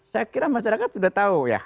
saya kira masyarakat sudah tahu ya